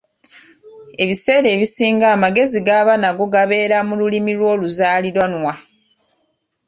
Ebiseera ebisinga amagezi g’aba nago gabeera mu Lulimi lwe oluzaaliranwa.